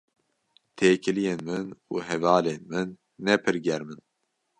Têkiliyên min û hevalên min ne pir germ in.